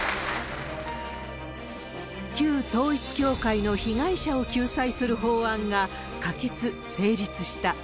旧統一教会の被害者を救済する法案が、可決・成立した。